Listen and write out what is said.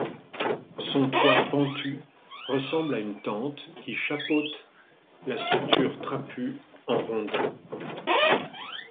Son toit pentu ressemble à une tente qui chapeaute la structure trapue en rondins.